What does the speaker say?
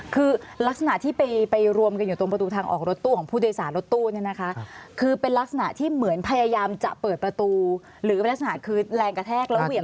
คือลักษณะที่ไปรวมกันอยู่ตรงประตูทางออกรถตู้ของผู้โดยสารรถตู้เนี่ยนะคะคือเป็นลักษณะที่เหมือนพยายามจะเปิดประตูหรือเป็นลักษณะคือแรงกระแทกแล้วเหวี่ยง